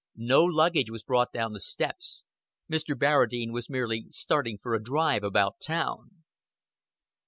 No luggage was brought down the steps: Mr. Barradine was merely starting for a drive about town.